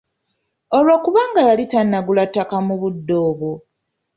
Olw'okubanga yali tannagula ttaka mu budde obwo.